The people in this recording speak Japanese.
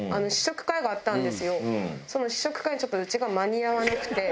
その試食会にちょっとうちが間に合わなくて。